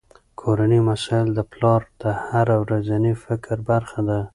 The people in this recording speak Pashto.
کورني مسایل د پلار د هره ورځني فکر برخه ده.